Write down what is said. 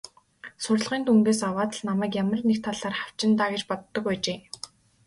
Сурлагын дүнгээс аваад л намайг ямар нэг талаар хавчина даа гэж боддог байжээ.